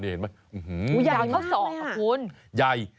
นี่เห็นไหมอื้อหือใหญ่มากเลยอ่ะคุณยาย